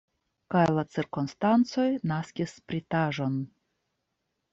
Kaj la cirkonstancoj naskis spritaĵon.